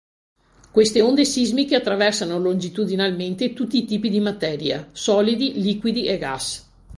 Queste onde sismiche attraversano longitudinalmente tutti i tipi di materia: solidi, liquidi e gas.